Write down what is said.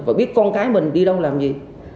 và biết con cái mình đi đâu làm gì